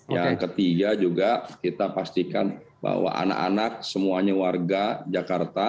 yang ketiga juga kita pastikan bahwa anak anak semuanya warga jakarta